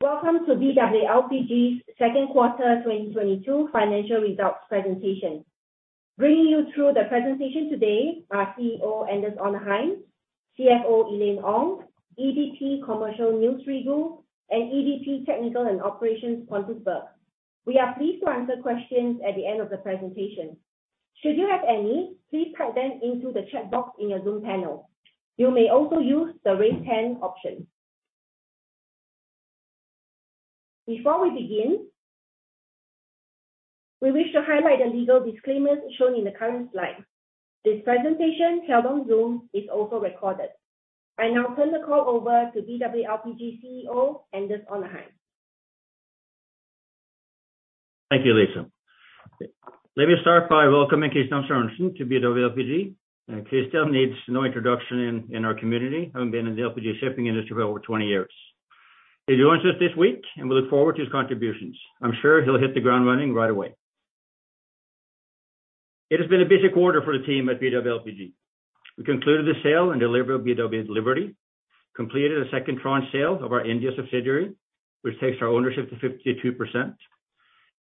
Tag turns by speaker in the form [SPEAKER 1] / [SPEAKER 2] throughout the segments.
[SPEAKER 1] Welcome to BW LPG's second quarter 2022 financial results presentation. Bringing you through the presentation today are CEO Anders Onarheim, CFO Elaine Ong, EVP Commercial Niels Rigault, and EVP Technical and Operations Pontus Berg. We are pleased to answer questions at the end of the presentation. Should you have any, please type them into the chat box in your Zoom panel. You may also use the raise hand option. Before we begin, we wish to highlight the legal disclaimers shown in the current slide. This presentation held on Zoom is also recorded. I now turn the call over to BW LPG CEO, Anders Onarheim.
[SPEAKER 2] Thank you, Lisa. Let me start by welcoming Kristian Sørensen to BW LPG. Kristian Sørensen needs no introduction in our community, having been in the LPG shipping industry for over 20 years. He joins us this week, and we look forward to his contributions. I'm sure he'll hit the ground running right away. It has been a busy quarter for the team at BW LPG. We concluded the sale and delivery of BW Liberty, completed a second tranche sale of our India subsidiary, which takes our ownership to 52%,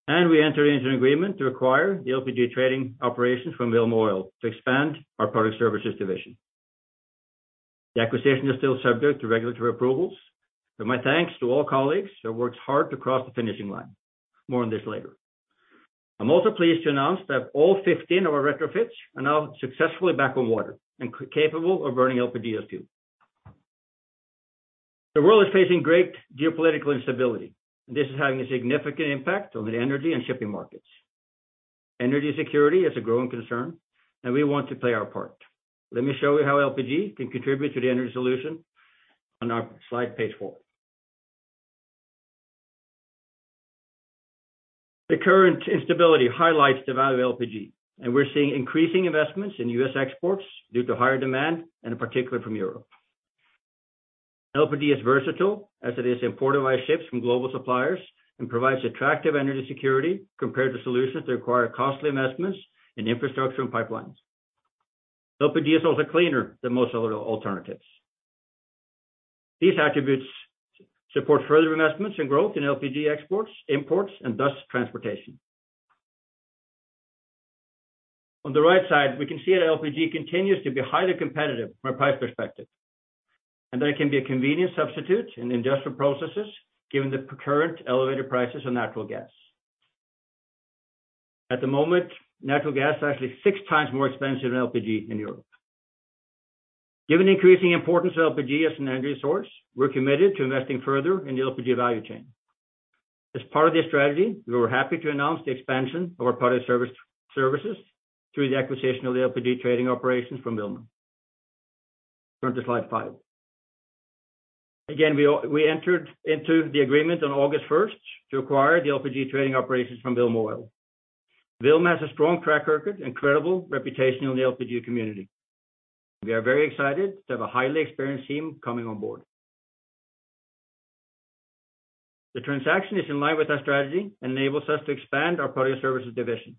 [SPEAKER 2] and we entered into an agreement to acquire the LPG trading operations from Vilma Oil to expand our Product Services division. The acquisition is still subject to regulatory approvals, but my thanks to all colleagues that worked hard to cross the finishing line. More on this later. I'm also pleased to announce that all 15 of our retrofits are now successfully back on water and capable of burning LPG fuel. The world is facing great geopolitical instability. This is having a significant impact on the energy and shipping markets. Energy security is a growing concern, and we want to play our part. Let me show you how LPG can contribute to the energy solution on our slide page 4. The current instability highlights the value of LPG, and we're seeing increasing investments in U.S. exports due to higher demand, and in particular from Europe. LPG is versatile as it is imported via ships from global suppliers and provides attractive energy security compared to solutions that require costly investments in infrastructure and pipelines. LPG is also cleaner than most other alternatives. These attributes support further investments and growth in LPG exports, imports, and thus transportation. On the right side, we can see that LPG continues to be highly competitive from a price perspective, and that it can be a convenient substitute in industrial processes given the current elevated prices on natural gas. At the moment, natural gas is actually six times more expensive than LPG in Europe. Given the increasing importance of LPG as an energy source, we're committed to investing further in the LPG value chain. As part of this strategy, we were happy to announce the expansion of our Product Services through the acquisition of the LPG trading operations from Vilma Oil. Turn to slide 5. Again, we entered into the agreement on August 1 to acquire the LPG trading operations from Vilma Oil. Vilma Oil has a strong track record and credible reputation in the LPG community. We are very excited to have a highly experienced team coming on board. The transaction is in line with our strategy and enables us to expand our Product Services division.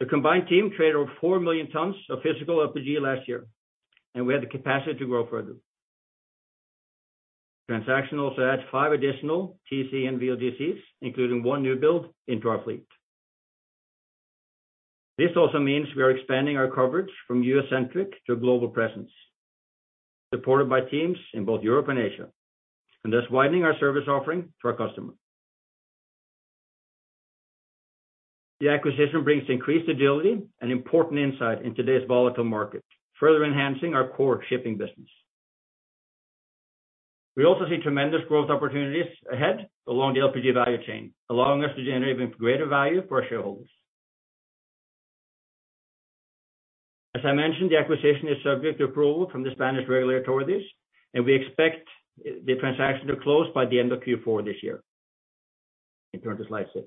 [SPEAKER 2] The combined team traded over 4 million tons of physical LPG last year, and we have the capacity to grow further. Transaction also adds five additional TC-in VLGCs, including one new build into our fleet. This also means we are expanding our coverage from U.S.-centric to a global presence, supported by teams in both Europe and Asia, and thus widening our service offering to our customers. The acquisition brings increased agility and important insight in today's volatile market, further enhancing our core shipping business. We also see tremendous growth opportunities ahead along the LPG value chain, allowing us to generate even greater value for our shareholders. As I mentioned, the acquisition is subject to approval from the Spanish regulatory authorities, and we expect the transaction to close by the end of Q4 this year. You can turn to slide six.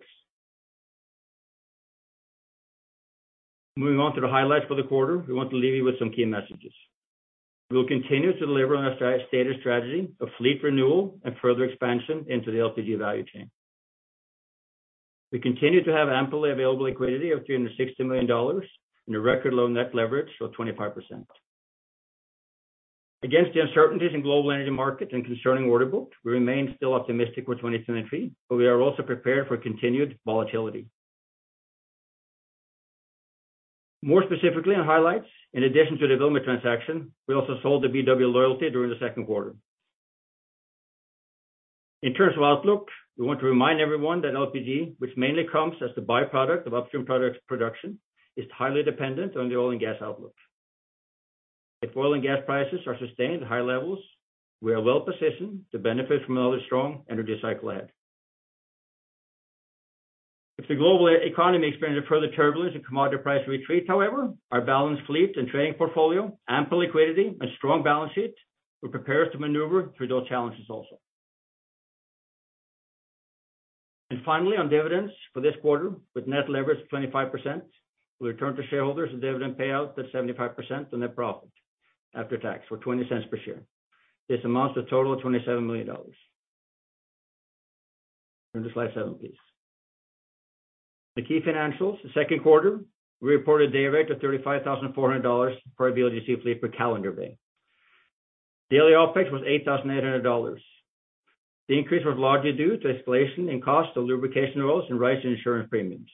[SPEAKER 2] Moving on to the highlights for the quarter, we want to leave you with some key messages. We will continue to deliver on our stated strategy of fleet renewal and further expansion into the LPG value chain. We continue to have amply available liquidity of $360 million and a record low net leverage of 25%. Against the uncertainties in global energy markets and concerning order book, we remain still optimistic for 2023, but we are also prepared for continued volatility. More specifically on highlights, in addition to the Vilma transaction, we also sold the BW Loyalty during the second quarter. In terms of outlook, we want to remind everyone that LPG, which mainly comes as the by-product of upstream products production, is highly dependent on the oil and gas outlook. If oil and gas prices are sustained at high levels, we are well-positioned to benefit from another strong energy cycle ahead. If the global economy experiences further turbulence and commodity price retreats, however, our balanced fleet and trading portfolio, ample liquidity, and strong balance sheet will prepare us to maneuver through those challenges also. Finally, on dividends for this quarter, with net leverage of 25%, we return to shareholders a dividend payout at 75% on net profit after tax for $0.20 per share. This amounts to a total of $27 million. Turn to slide 7, please. The key financials. The second quarter, we reported a dayrate of $35,400 per VLGC fleet per calendar day. Daily OpEx was $8,800. The increase was largely due to escalation in cost of lubrication oils and rise in insurance premiums.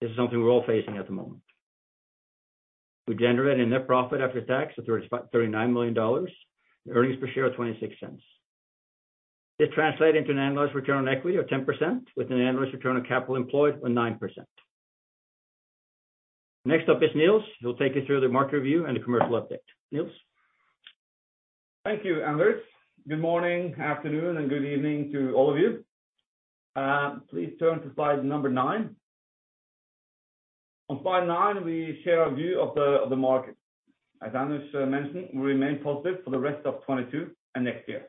[SPEAKER 2] This is something we're all facing at the moment. We generated a net profit after tax of $39 million. Earnings per share of $0.26. This translate into an annualized return on equity of 10% with an annualized return on capital employed of 9%. Next up is Niels. He'll take you through the market review and the commercial update. Niels.
[SPEAKER 3] Thank you, Anders. Good morning, afternoon, and good evening to all of you. Please turn to slide number 9. On slide 9, we share our view of the market. As Anders mentioned, we remain positive for the rest of 2022 and next year.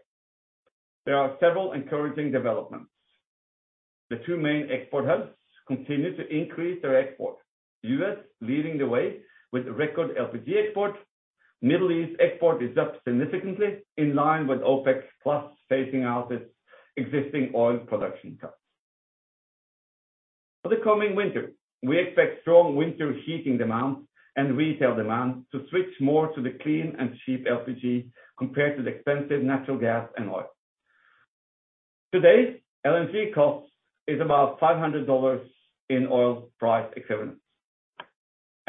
[SPEAKER 3] There are several encouraging developments. The two main export hubs continue to increase their export. U.S. leading the way with record LPG export. Middle East export is up significantly in line with OPEC+ phasing out its existing oil production cuts. For the coming winter, we expect strong winter heating demands and retail demand to switch more to the clean and cheap LPG compared to the expensive natural gas and oil. Today, LNG costs is about $500 in oil price equivalent.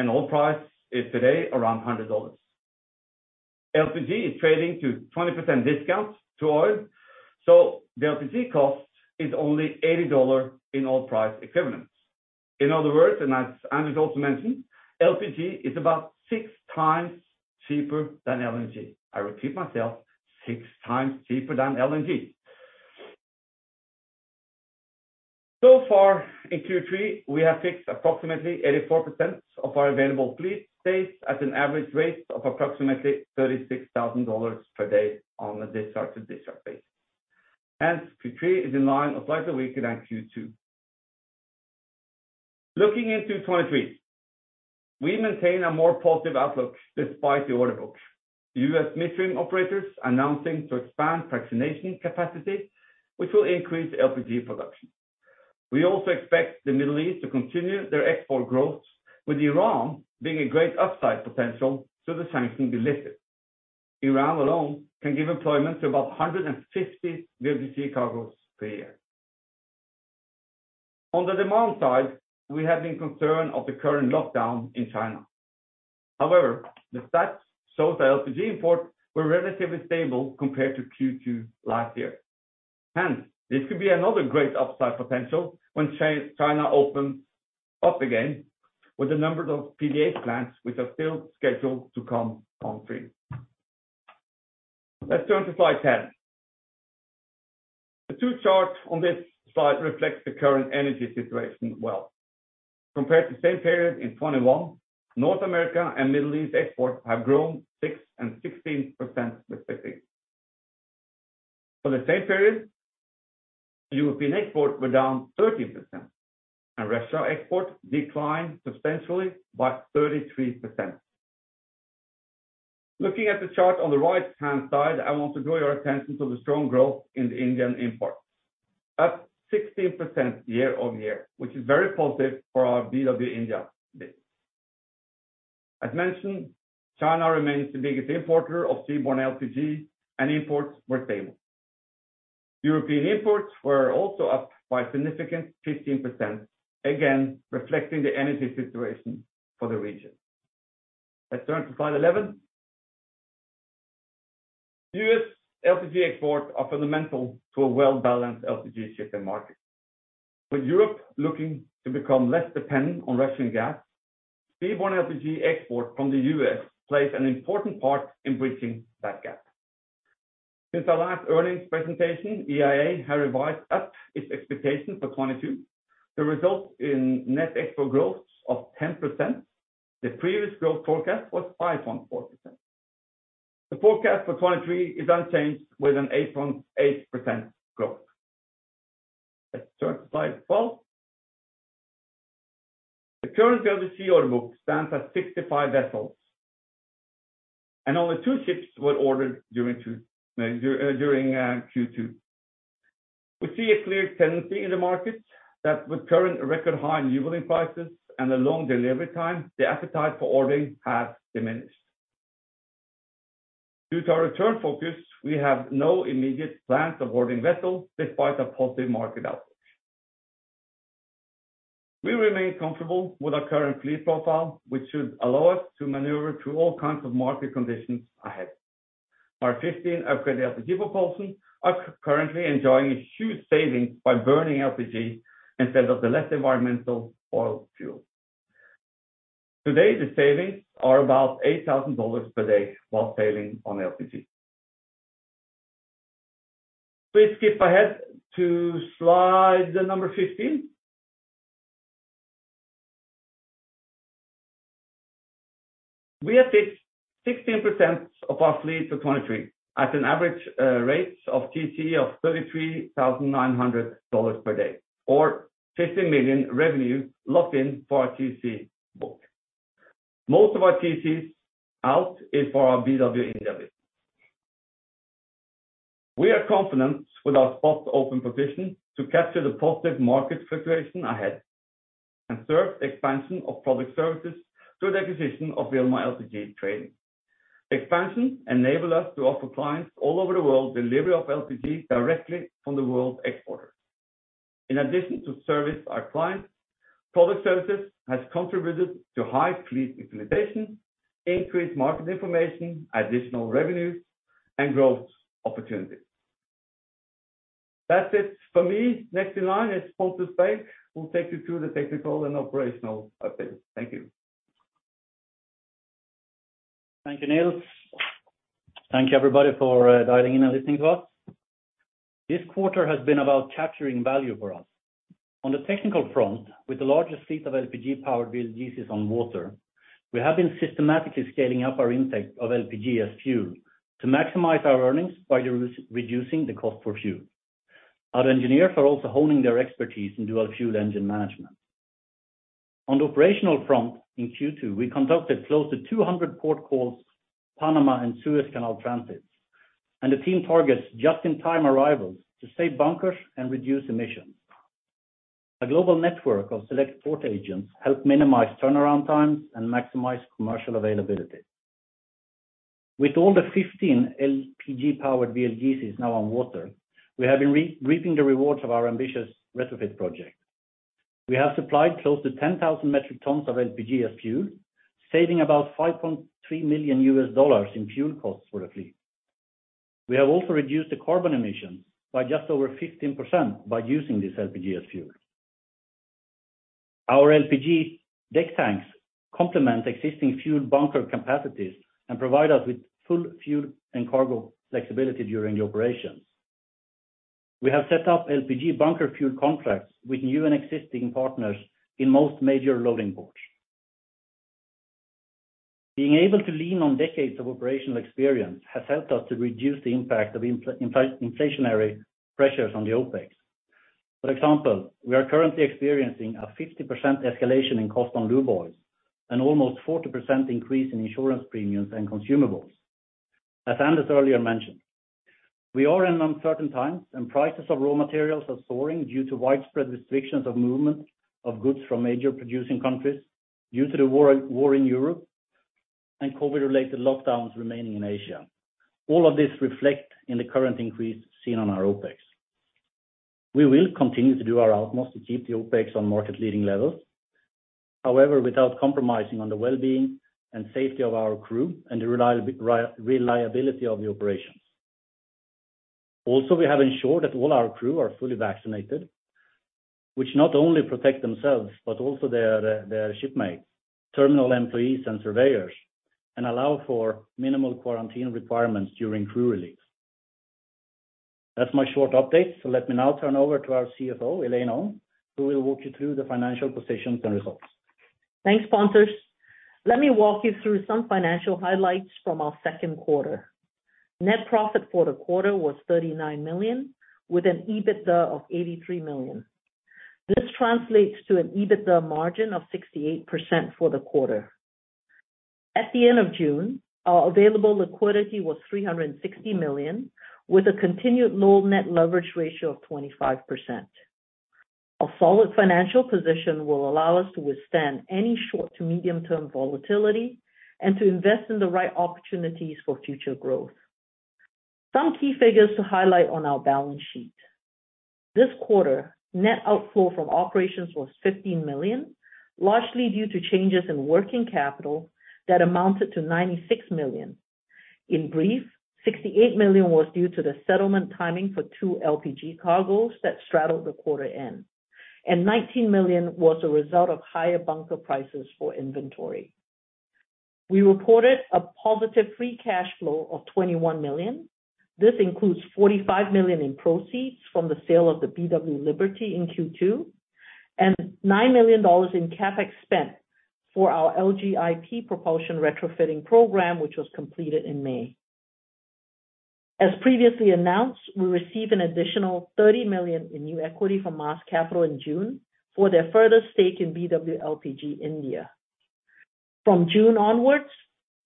[SPEAKER 3] Oil price is today around $100. LPG is trading at a 20% discount to oil, so the LPG cost is only $80 in oil price equivalents. In other words, and as Anders also mentioned, LPG is about six times cheaper than LNG. I repeat myself, six times cheaper than LNG. So far in Q3, we have fixed approximately 84% of our available fleet days at an average rate of approximately $36,000 per day on a day start to day start base. Hence, Q3 is in line or slightly weaker than Q2. Looking into 2023, we maintain a more positive outlook despite the order books. U.S. midstream operators announcing to expand fractionation capacity, which will increase LPG production. We also expect the Middle East to continue their export growth, with Iran being a great upside potential should the sanctions be lifted. Iran alone can give employment to about 150 VLGC cargoes per year. On the demand side, we have been concerned of the current lockdown in China. However, the stats show that LPG imports were relatively stable compared to Q2 last year. Hence, this could be another great upside potential when China opens up again with a number of PDH plants which are still scheduled to come onstream. Let's turn to slide 10. The two charts on this slide reflects the current energy situation well. Compared to the same period in 2021, North America and Middle East exports have grown 6% and 16% respectively. For the same period, European export were down 13%, and Russia export declined substantially by 33%. Looking at the chart on the right-hand side, I want to draw your attention to the strong growth in the Indian imports. Up 16% year-over-year, which is very positive for our BW India base. As mentioned, China remains the biggest importer of seaborne LPG, and imports were stable. European imports were also up by significant 15%, again, reflecting the energy situation for the region. Let's turn to slide 11. U.S. LPG exports are fundamental to a well-balanced LPG shipping market. With Europe looking to become less dependent on Russian gas, seaborne LPG export from the U.S. plays an important part in bridging that gap. Since our last earnings presentation, EIA has revised up its expectation for 2022. The result in net export growth of 10%. The previous growth forecast was 5.4%. The forecast for 2023 is unchanged with an 8.8% growth. Let's turn to slide 12. The current VLGC order book stands at 65 vessels, and only 2 ships were ordered during Q2. We see a clear tendency in the market that with current record high newbuilding prices and a long delivery time, the appetite for ordering has diminished. Due to our return focus, we have no immediate plans of ordering vessels despite a positive market outlook. We remain comfortable with our current fleet profile, which should allow us to maneuver through all kinds of market conditions ahead. Our 15 upgraded LPG propulsion are currently enjoying a huge savings by burning LPG instead of the less environmental oil fuel. Today, the savings are about $8,000 per day while sailing on LPG. Please skip ahead to slide number 15. We have fixed 16% of our fleet to 2023 at an average rates of TC of $33,900 per day or $50 million revenue locked in for our TC book. Most of our TCs out is for our BW LPG India business. We are confident with our spot open position to capture the positive market fluctuation ahead and serve expansion of product services through the acquisition of Vilma Oil. Expansion enable us to offer clients all over the world delivery of LPG directly from the world exporter. In addition to service our clients, product services has contributed to high fleet utilization, increased market information, additional revenues, and growth opportunities. That's it for me. Next in line is Pontus Berg, who will take you through the technical and operational updates. Thank you.
[SPEAKER 4] Thank you, Niels. Thank you, everybody, for dialing in and listening to us. This quarter has been about capturing value for us. On the technical front, with the largest fleet of LPG-powered VLGCs on water, we have been systematically scaling up our intake of LPG as fuel to maximize our earnings by reducing the cost for fuel. Our engineers are also honing their expertise in dual-fuel engine management. On the operational front in Q2, we conducted close to 200 port calls, Panama and Suez Canal transits, and the team targets just-in-time arrivals to save bunkers and reduce emissions. A global network of select port agents help minimize turnaround times and maximize commercial availability. With all the 15 LPG-powered VLGCs now on water, we have been reaping the rewards of our ambitious retrofit project. We have supplied close to 10,000 metric tons of LPG as fuel, saving about $5.3 million in fuel costs for the fleet. We have also reduced the carbon emissions by just over 15% by using this LPG as fuel. Our LPG deck tanks complement existing fuel bunker capacities and provide us with full fuel and cargo flexibility during the operations. We have set up LPG bunker fuel contracts with new and existing partners in most major loading ports. Being able to lean on decades of operational experience has helped us to reduce the impact of inflationary pressures on the OpEx. For example, we are currently experiencing a 50% escalation in cost on lube oils and almost 40% increase in insurance premiums and consumables. As Anders earlier mentioned, we are in uncertain times, and prices of raw materials are soaring due to widespread restrictions of movement of goods from major producing countries due to the war in Europe and COVID-related lockdowns remaining in Asia. All of this reflect in the current increase seen on our OpEx. We will continue to do our utmost to keep the OpEx on market leading levels, however, without compromising on the well-being and safety of our crew and the reliability of the operations. Also, we have ensured that all our crew are fully vaccinated, which not only protect themselves, but also their shipmates, terminal employees, and surveyors, and allow for minimal quarantine requirements during crew reliefs. That's my short update. Let me now turn over to our CFO, Elaine Ong, who will walk you through the financial positions and results.
[SPEAKER 5] Thanks, Pontus. Let me walk you through some financial highlights from our second quarter. Net profit for the quarter was $39 million, with an EBITDA of $83 million. This translates to an EBITDA margin of 68% for the quarter. At the end of June, our available liquidity was $360 million, with a continued low net leverage ratio of 25%. A solid financial position will allow us to withstand any short to medium-term volatility and to invest in the right opportunities for future growth. Some key figures to highlight on our balance sheet. This quarter, net outflow from operations was $15 million, largely due to changes in working capital that amounted to $96 million. In brief, $68 million was due to the settlement timing for 2 LPG cargoes that straddled the quarter end, and $19 million was a result of higher bunker prices for inventory. We reported a positive free cash flow of $21 million. This includes $45 million in proceeds from the sale of the BW Liberty in Q2, and $9 million in CapEx spent for our LGIP propulsion retrofitting program, which was completed in May. As previously announced, we received an additional $30 million in new equity from Maas Capital in June for their further stake in BW LPG India. From June onwards,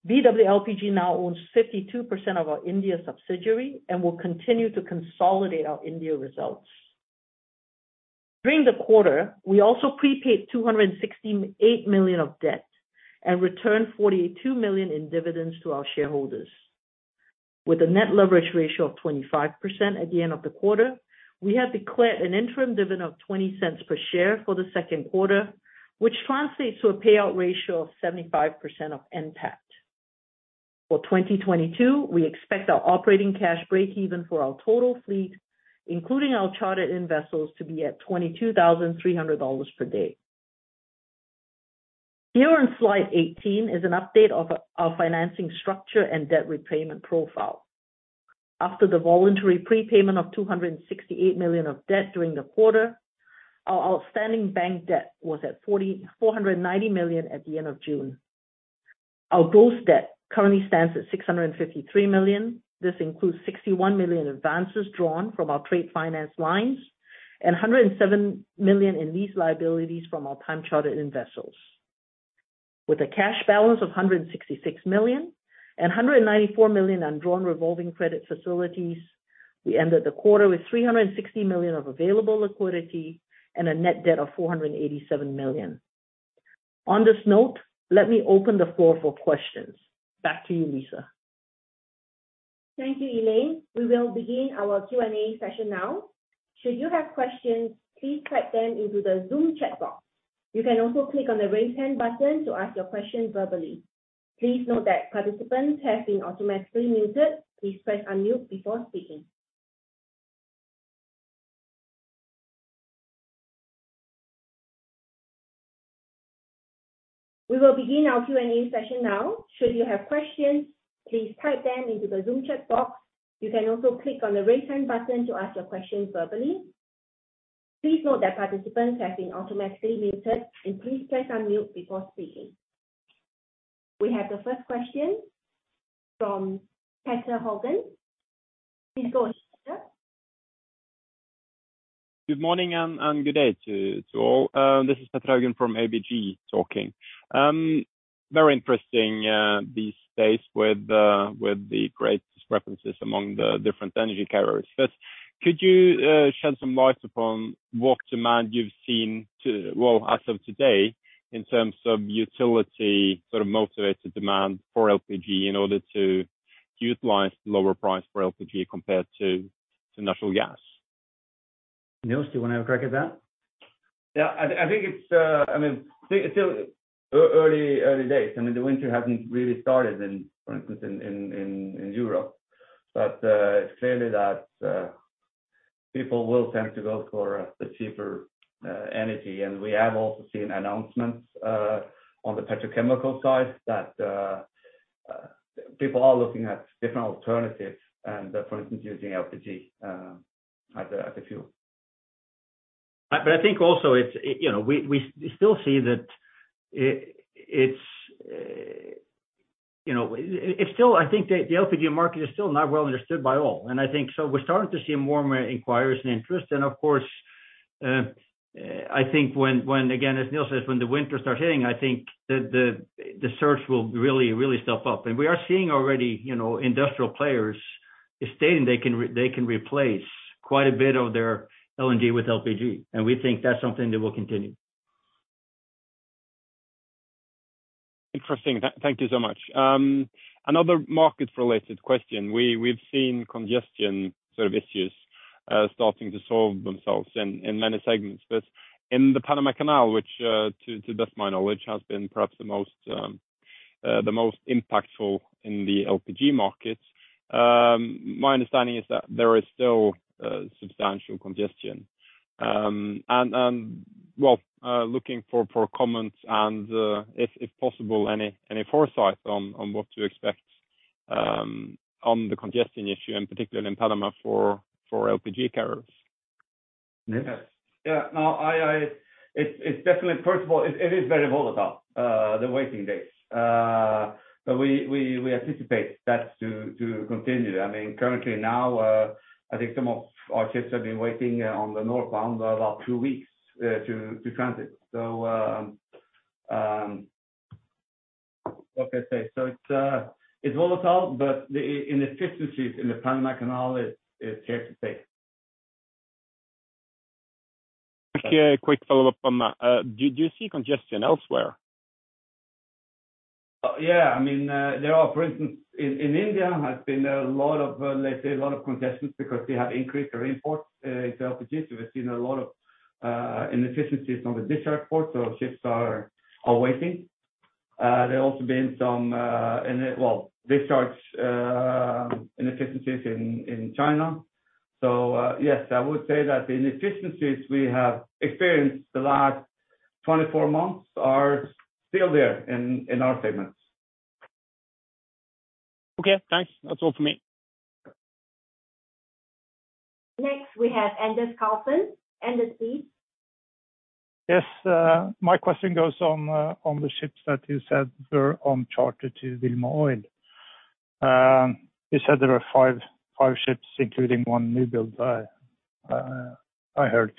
[SPEAKER 5] BW LPG now owns 52% of our India subsidiary and will continue to consolidate our India results. During the quarter, we also prepaid $268 million of debt and returned $42 million in dividends to our shareholders. With a net leverage ratio of 25% at the end of the quarter, we have declared an interim dividend of $0.20 per share for the second quarter, which translates to a payout ratio of 75% of NPAT. For 2022, we expect our operating cash breakeven for our total fleet, including our chartered-in vessels, to be at $22,300 per day. Here on slide 18 is an update of our financing structure and debt repayment profile. After the voluntary prepayment of $268 million of debt during the quarter, our outstanding bank debt was at $4,490 million at the end of June. Our gross debt currently stands at $653 million. This includes $61 million advances drawn from our trade finance lines and $107 million in lease liabilities from our time chartered-in vessels. With a cash balance of $166 million and $194 million undrawn revolving credit facilities, we ended the quarter with $360 million of available liquidity and a net debt of $487 million. On this note, let me open the floor for questions. Back to you, Lisa.
[SPEAKER 1] Thank you, Elaine. We will begin our Q&A session now. Should you have questions, please type them into the Zoom chat box. You can also click on the Raise Hand button to ask your question verbally. Please note that participants have been automatically muted. Please press unmute before speaking. We will begin our Q&A session now. Should you have questions, please type them into the Zoom chat box. You can also click on the Raise Hand button to ask your question verbally. Please note that participants have been automatically muted, and please press unmute before speaking. We have the first question from Petter Haugen. Please go ahead, Petter.
[SPEAKER 6] Good morning and good day to all. This is Petter Haugen from ABG talking. Very interesting these days with the great discrepancies among the different energy carriers. First, could you shed some light upon what demand you've seen. Well, as of today, in terms of utility sort of motivated demand for LPG in order to utilize the lower price for LPG compared to natural gas?
[SPEAKER 2] Niels, do you want to have a crack at that?
[SPEAKER 3] Yeah. I think it's, I mean, still early days. I mean, the winter hasn't really started, for instance, in Europe. Clearly, that people will tend to go for the cheaper energy. We have also seen announcements on the petrochemical side that people are looking at different alternatives and, for instance, using LPG as a fuel.
[SPEAKER 2] I think also we still see that it's the LPG market is still not well understood by all. I think so we're starting to see more and more inquiries and interest. Of course, I think when again, as Niels says, when the winter starts hitting, I think the search will really step up. We are seeing already industrial players stating they can replace quite a bit of their LNG with LPG, and we think that's something that will continue.
[SPEAKER 6] Interesting. Thank you so much. Another market related question. We've seen congestion sort of issues starting to solve themselves in many segments. In the Panama Canal, which to the best of my knowledge has been perhaps the most impactful in the LPG markets. My understanding is that there is still substantial congestion. Looking for comments and if possible any foresight on what to expect on the congestion issue and particularly in Panama for LPG carriers.
[SPEAKER 2] Niels.
[SPEAKER 3] It's definitely. First of all, it is very volatile, the waiting days. We anticipate that to continue. I mean, currently now, I think some of our ships have been waiting on the northbound about two weeks to transit. Like I say, it's volatile, but the inefficiencies in the Panama Canal is safe to say.
[SPEAKER 6] Okay. A quick follow-up on that. Do you see congestion elsewhere?
[SPEAKER 3] Yeah. I mean, there are for instance in India has been a lot of, let's say, a lot of congestions because they have increased their imports into LPG. We've seen a lot of inefficiencies on the discharge port. Ships are waiting. There have also been some discharge inefficiencies in China. Yes, I would say that the inefficiencies we have experienced the last 24 months are still there in our segments.
[SPEAKER 6] Okay, thanks. That's all for me.
[SPEAKER 1] Next, we have Anders Karlsen. Anders, please.
[SPEAKER 7] Yes. My question goes on the ships that you said were on charter to Vilma Oil. You said there are five ships, including one newbuild, I heard.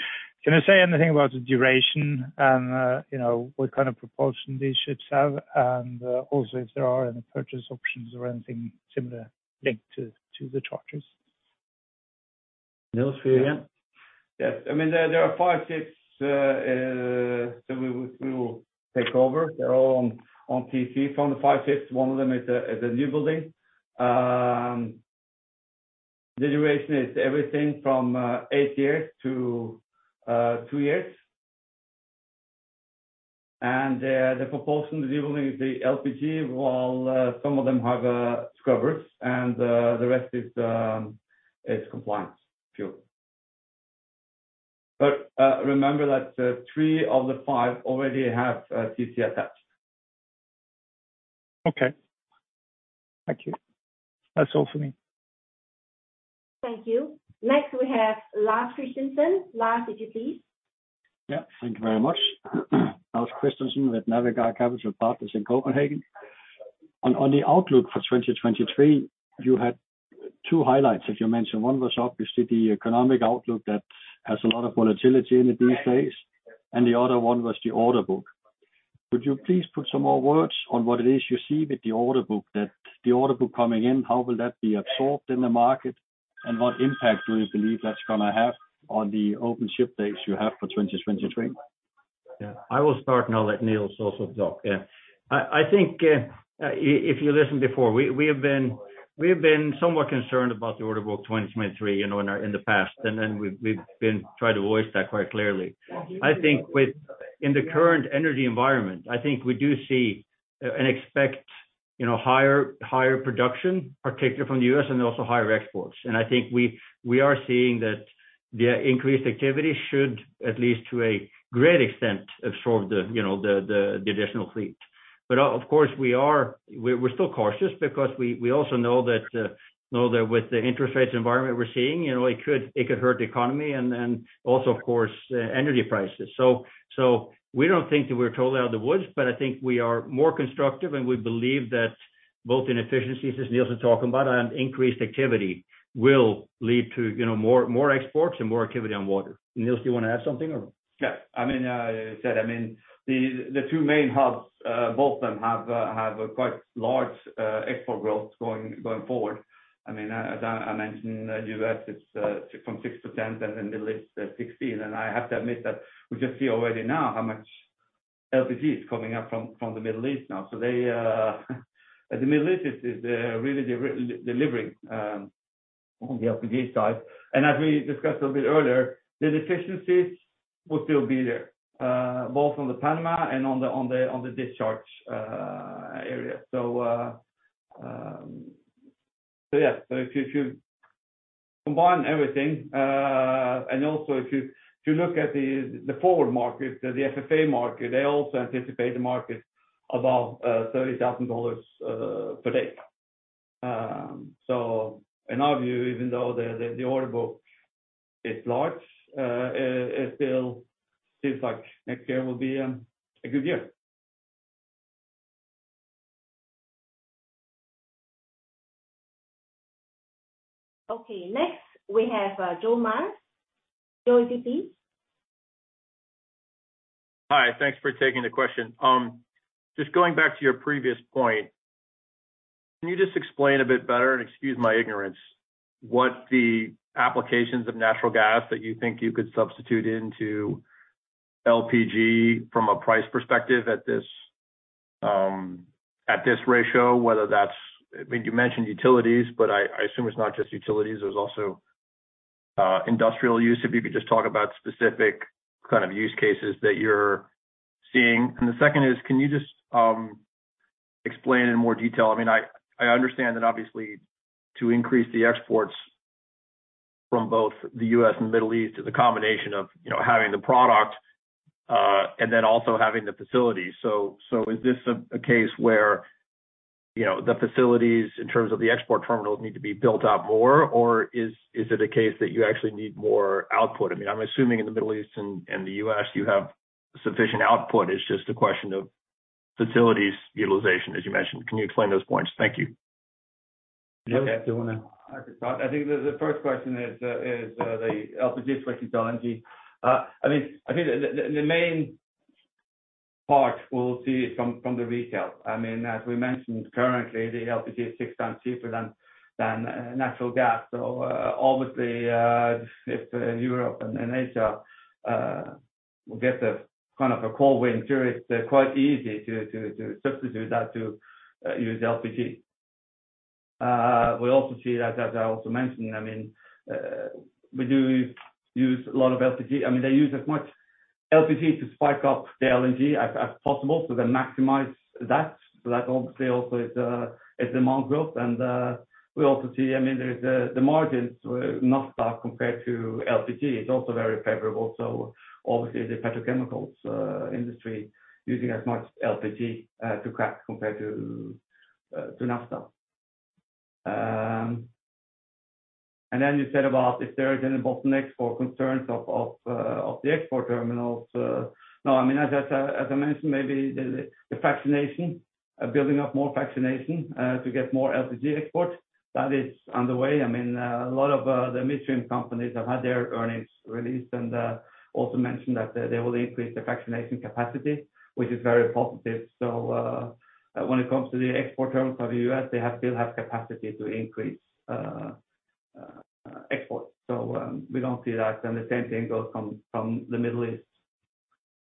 [SPEAKER 7] Can you say anything about the duration and you know, what kind of propulsion these ships have? And also if there are any purchase options or anything similar linked to the charters?
[SPEAKER 2] Niels, for you again.
[SPEAKER 3] Yes. I mean, there are five ships that we will take over. They're all on TC. From the five ships, one of them is a new building. The duration is everything from eight years to two years. The propulsion new building is the LPG, while some of them have scrubbers, and the rest is compliance fuel. Remember that three of the five already have a COA attached.
[SPEAKER 7] Okay. Thank you. That's all for me.
[SPEAKER 1] Thank you. Next we have Lars Christensen. Lars, could you please?
[SPEAKER 8] Yeah. Thank you very much. Lars Christensen with Navigar Capital Partners in Copenhagen. On the outlook for 2023, you had two highlights as you mentioned. One was obviously the economic outlook that has a lot of volatility in it these days, and the other one was the order book. Could you please put some more words on what it is you see with the order book, that the order book coming in, how will that be absorbed in the market? And what impact do you believe that's gonna have on the open ship days you have for 2023?
[SPEAKER 2] Yeah. I will start, and I'll let Nils also talk. Yeah. I think if you listened before, we have been somewhat concerned about the order book 2023, you know, in the past. We've been trying to voice that quite clearly. I think. In the current energy environment, I think we do see and expect, you know, higher production, particularly from the U.S. and also higher exports. I think we are seeing that the increased activity should, at least to a great extent, absorb the additional fleet. Of course, we're still cautious because we also know that with the interest rates environment we're seeing, you know, it could hurt the economy and also of course, energy prices. We don't think that we're totally out of the woods, but I think we are more constructive, and we believe that both in efficiencies, as Niels Rigault was talking about, and increased activity will lead to, you know, more exports and more activity on water. Niels Rigault, do you wanna add something or?
[SPEAKER 3] Yeah. I mean, the two main hubs both of them have a quite large export growth going forward. I mean, as I mentioned, U.S., it's from 6 to 10, and then the East 16. I have to admit that we just see already now how much LPG is coming up from the Middle East now. The Middle East is really delivering on the LPG side. As we discussed a bit earlier, the deficiencies will still be there both on the Panama and on the discharge area. Yeah. If you combine everything, and also if you look at the forward market, the FFA market, they also anticipate the market above $30,000 per day. In our view, even though the order book is large, it still seems like next year will be a good year.
[SPEAKER 1] Okay. Next we have Joe Marks. Joe, could you please?
[SPEAKER 9] Hi. Thanks for taking the question. Just going back to your previous point, can you just explain a bit better, and excuse my ignorance, what the applications of natural gas that you think you could substitute into LPG from a price perspective at this, at this ratio? Whether that's I mean, you mentioned utilities, but I assume it's not just utilities, there's also industrial use. If you could just talk about specific kind of use cases that you're seeing. The second is, can you just explain in more detail. I mean, I understand that obviously to increase the exports from both the U.S. and Middle East is a combination of having the product, and then also having the facilities. Is this a case where the facilities in terms of the export terminals need to be built out more? Or is it a case that you actually need more output? I mean, I'm assuming in the Middle East and the U.S. you have sufficient output. It's just a question of facilities utilization as you mentioned. Can you explain those points? Thank you.
[SPEAKER 2] Joe, do you wanna?
[SPEAKER 3] I can start. I think the first question is the LPG versus LNG. I mean, I think the main part we'll see is from the retail. I mean, as we mentioned currently, the LPG is six times cheaper than natural gas. So, obviously, if Europe and Asia will get a kind of a cold winter, it's quite easy to substitute that to use LPG. We also see that, as I also mentioned, I mean, we do use a lot of LPG. I mean, they use as much LPG to spike up the LNG as possible, so they maximize that. So that obviously also is demand growth. We also see, I mean, the margins were not bad compared to LPG. It's also very favorable. Obviously the petrochemicals industry using as much LPG to crack compared to Naphtha. Then you said about if there is any bottlenecks or concerns of the export terminals. No, I mean, as I mentioned, maybe the fractionation building up more fractionation to get more LPG exports. That is on the way. I mean, a lot of the midstream companies have had their earnings released and also mentioned that they will increase the fractionation capacity, which is very positive. When it comes to the export terminals of the U.S., they still have capacity to increase exports. We don't see that. The same thing goes from the Middle East.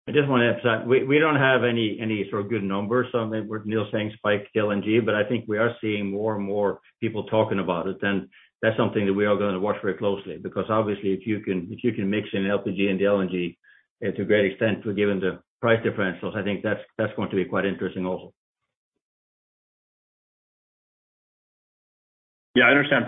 [SPEAKER 3] I just wanna add to that. We don't have any sort of good numbers on what Niels is saying spikes LNG, but I think we are seeing more and more people talking about it. That's something that we are gonna watch very closely, because obviously if you can mix in LPG and the LNG to a great extent, given the price differentials, I think that's going to be quite interesting also.
[SPEAKER 9] Yeah, I understand.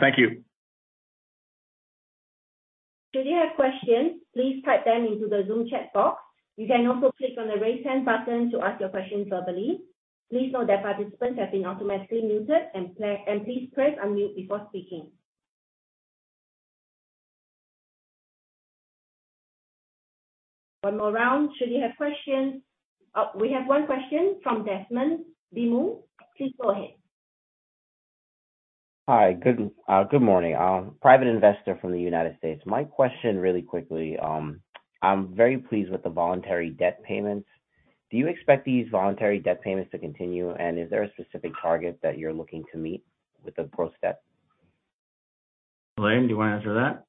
[SPEAKER 9] Thank you.
[SPEAKER 1] Should you have questions, please type them into the Zoom chat box. You can also click on the Raise Hand button to ask your question verbally. Please note that participants have been automatically muted, and please press unmute before speaking. One more round. Should you have questions. We have one question from Desmond Dumou. Please go ahead.
[SPEAKER 10] Hi. Good morning. Private investor from the United States. My question really quickly. I'm very pleased with the voluntary debt payments. Do you expect these voluntary debt payments to continue, and is there a specific target that you're looking to meet with the prepaid debt?
[SPEAKER 2] Elaine, do you wanna answer that?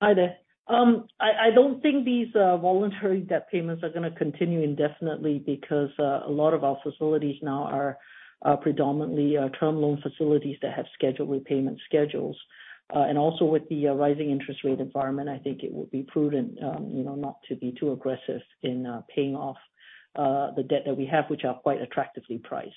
[SPEAKER 5] Hi there. I don't think these voluntary debt payments are gonna continue indefinitely because a lot of our facilities now are predominantly term loan facilities that have scheduled repayment schedules. Also with the rising interest rate environment, I think it would be prudent, you know, not to be too aggressive in paying off the debt that we have, which are quite attractively priced.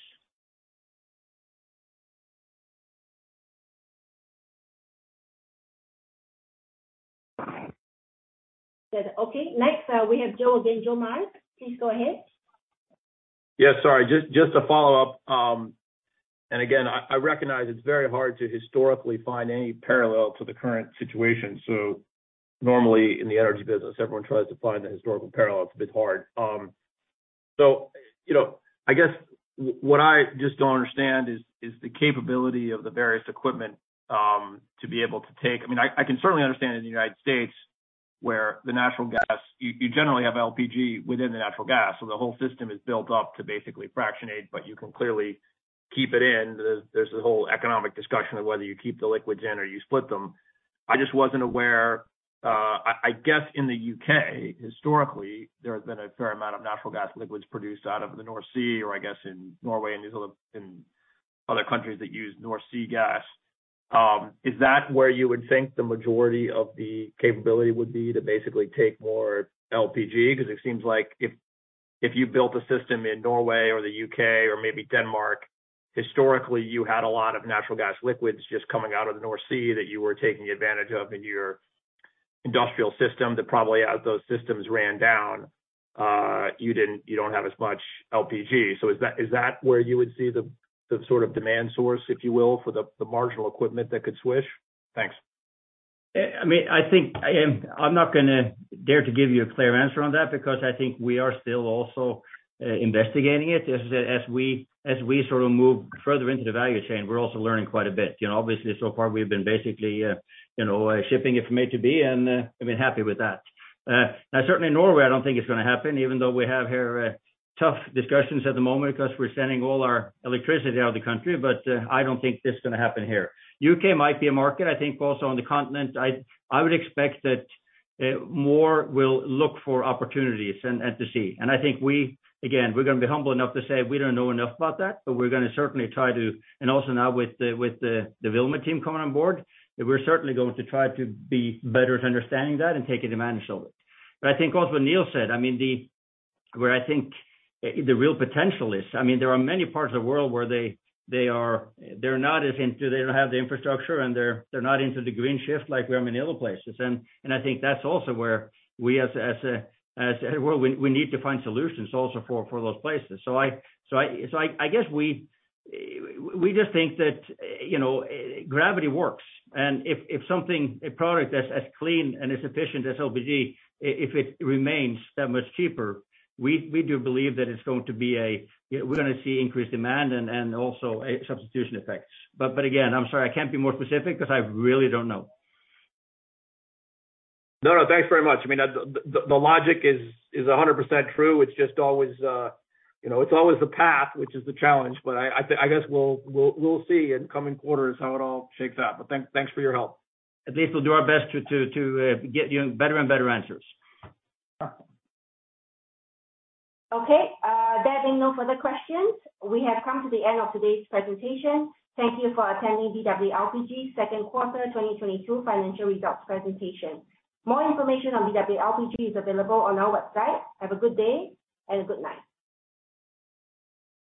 [SPEAKER 1] Good. Okay. Next, we have Joe again. Joseph Marks, please go ahead.
[SPEAKER 9] Yeah. Sorry, just to follow up, and again, I recognize it's very hard to historically find any parallel to the current situation. Normally in the energy business, everyone tries to find the historical parallel. It's a bit hard. I guess what I just don't understand is the capability of the various equipment to be able to take. I mean, I can certainly understand in the United States where the natural gas, you generally have LPG within the natural gas, so the whole system is built up to basically fractionate, but you can clearly keep it in. There's the whole economic discussion of whether you keep the liquids in or you split them. I just wasn't aware. I guess in the U.K., historically, there has been a fair amount of natural gas liquids produced out of the North Sea or I guess in Norway and other countries that use North Sea gas. Is that where you would think the majority of the capability would be to basically take more LPG? 'Cause it seems like if you built a system in Norway or the U.K. or maybe Denmark, historically you had a lot of natural gas liquids just coming out of the North Sea that you were taking advantage of in your industrial system, that probably as those systems ran down, you didn't, you don't have as much LPG. Is that where you would see the sort of demand source, if you will, for the marginal equipment that could switch? Thanks.
[SPEAKER 2] I mean, I think, I'm not gonna dare to give you a clear answer on that because I think we are still also investigating it. As we sort of move further into the value chain, we're also learning quite a bit obviously, so far we've been basically shipping it from A to B and have been happy with that. Now certainly Norway, I don't think it's gonna happen, even though we have here tough discussions at the moment 'cause we're sending all our electricity out of the country. I don't think this is gonna happen here. U.K. might be a market. I think also on the continent, I would expect that more will look for opportunities and to see. I think we, again, we're gonna be humble enough to say we don't know enough about that. We're gonna certainly try to. Also now with the development team coming on board, that we're certainly going to try to be better at understanding that and taking advantage of it. I think also Niels said, I mean, the, where I think, the real potential is, I mean, there are many parts of the world where they are not as into. They don't have the infrastructure, and they're not into the green shift like we are in many other places. I think that's also where we as a world, we need to find solutions also for those places. I guess we just think that gravity works. If a product as clean and as efficient as LPG remains that much cheaper, we do believe that we're gonna see increased demand and also a substitution effect. Again, I'm sorry I can't be more specific 'cause I really don't know.
[SPEAKER 9] No, no. Thanks very much. I mean, the logic is 100% true. It's just always, you know, it's always the path, which is the challenge. I guess we'll see in coming quarters how it all shakes out. Thanks for your help.
[SPEAKER 2] At least we'll do our best to get you better and better answers.
[SPEAKER 9] Sure.
[SPEAKER 1] Okay. There being no further questions, we have come to the end of today's presentation. Thank you for attending BW LPG second quarter 2022 financial results presentation. More information on BW LPG is available on our website. Have a good day and good night.